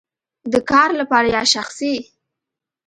د کار لپاره یا شخصی؟